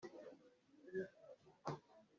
ubusore bwe bwaramupfubanye